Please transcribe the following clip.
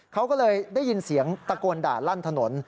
เขาก็เลยได้ยินเสียงตะโกนด่าลั่นถนน